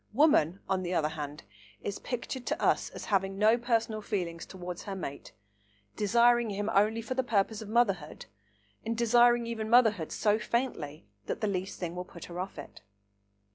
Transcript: Woman, on the other hand, is pictured to us as having no personal feelings towards her mate, desiring him only for the purpose of motherhood, and desiring even motherhood so faintly that the least thing will put her off it.